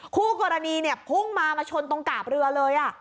คู่กรณีเนี่ยพุ่งมามาชนตรงกาบเรือเลย